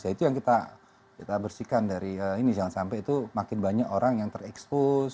ya itu yang kita bersihkan dari ini jangan sampai itu makin banyak orang yang terekspos